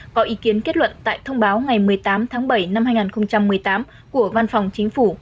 có ý kiến kết luận tại thông báo ngày một mươi tám tháng bảy năm hai nghìn một mươi tám của văn phòng chính phủ